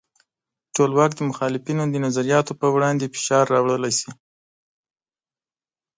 ټولواک د مخالفینو د نظریاتو پر وړاندې فشار راوړلی شي.